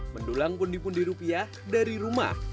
mendulang pundi pundi rupiah dari rumah